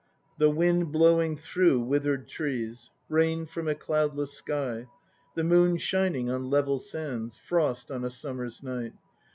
"The wind blowing through withered trees: rain from a cloudless sky. The moon shining on level sands: frost on a summer's night."